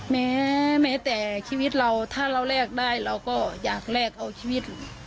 แม้แม้แต่ชีวิตเราถ้าเราแลกได้เราก็อยากแลกเอาชีวิต